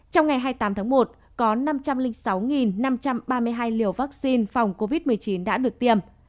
trong ngày hai mươi tám tháng một có năm trăm linh sáu năm trăm ba mươi hai liều vaccine phòng covid một mươi chín đã được tiêm